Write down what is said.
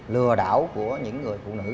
lừa đảo của những người phụ nữ